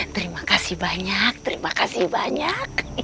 terima kasih banyak terima kasih banyak